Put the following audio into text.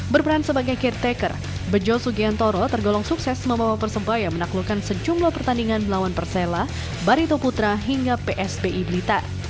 berperan sebagai caretaker bejo sugiantoro tergolong sukses membawa persebaya menaklukkan sejumlah pertandingan melawan persela barito putra hingga psbi blitar